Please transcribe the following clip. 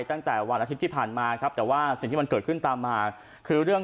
ตั้งแต่วันอาทิตย์ที่ผ่านมาครับแต่ว่าสิ่งที่มันเกิดขึ้นตามมาคือเรื่อง